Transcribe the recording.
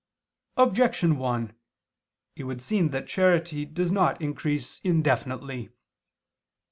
Objection 1: It would seem that charity does not increase indefinitely.